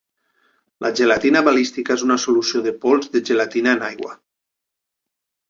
La gelatina balística és una solució de pols de gelatina en aigua.